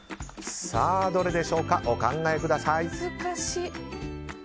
どれでしょうか、お考えください。